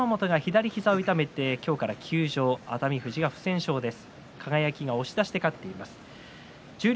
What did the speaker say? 一山本が左膝を痛めて今日から休場のため熱海富士が不戦勝です。